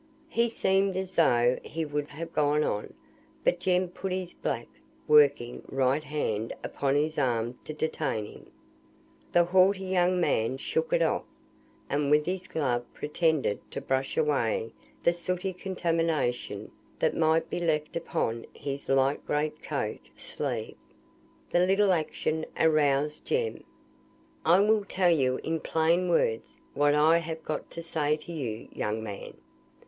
He seemed as though he would have gone on, but Jem put his black, working, right hand upon his arm to detain him. The haughty young man shook it off, and with his glove pretended to brush away the sooty contamination that might be left upon his light great coat sleeve. The little action aroused Jem. "I will tell you in plain words what I have got to say to you, young man.